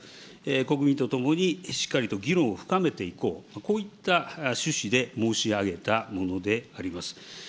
国民と共にしっかりと議論を深めていこう、こういった趣旨で申し上げたものであります。